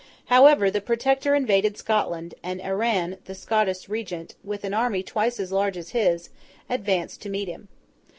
However, the Protector invaded Scotland; and Arran, the Scottish Regent, with an army twice as large as his, advanced to meet him.